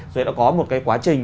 rồi đã có một cái quá trình